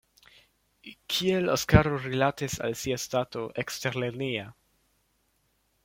Kiel Oskaro rilatis al sia stato eksterlerneja?